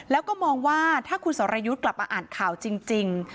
แล้วก็มองว่าถ้าคุณสรยุทธ์กลับมาอ่านข่าวจริง